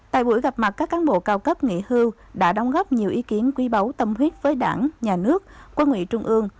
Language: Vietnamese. tại buổi gặp mặt các cán bộ cao cấp nghỉ hưu đã đóng góp nhiều ý kiến quý báu tâm huyết với đảng nhà nước quân ủy trung ương